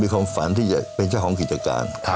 ความฝันที่จะเป็นเจ้าของกิจการ